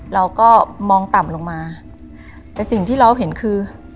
เราก็มองต่ำลงมาแต่สิ่งที่เราเห็นคือ